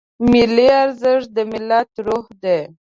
ملي ارزښت د ملت روح دی.